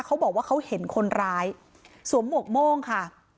เขาบอกว่าเขาเห็นคนร้ายสวมหมวกโม่งค่ะ